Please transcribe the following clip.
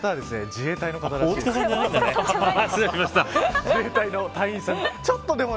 自衛隊の隊員さんです。